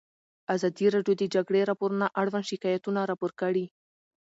ازادي راډیو د د جګړې راپورونه اړوند شکایتونه راپور کړي.